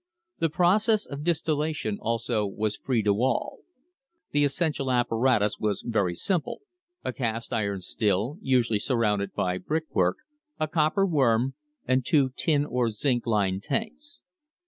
The process of distillation also was free to all. The essential THE BIRTH OF AN INDUSTRY apparatus was very simple — a cast iron still, usually sur rounded by brick work, a copper worm, and two tin or zinc lined tanks.